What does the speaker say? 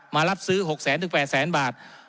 มารับซื้อ๖๐๐๐๐๐ถึง๘๐๐๐๐๐บาท